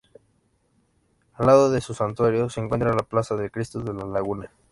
Al lado de su Santuario se encuentra la Plaza del Cristo de La Laguna.